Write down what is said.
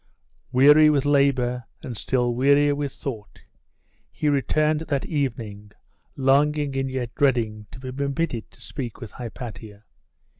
Weary with labour, and still wearier with thought, he returned that evening, longing and yet dreading to be permitted to speak with Hypatia.